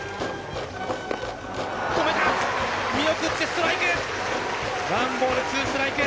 見送ってストライク！